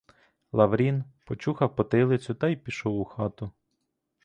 Лаврін почухав потилицю та й пішов у хату.